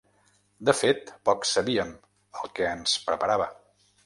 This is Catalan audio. De fet, poc sabíem el que ens preparava.